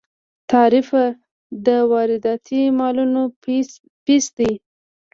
تعرفه د وارداتي مالونو فیس دی.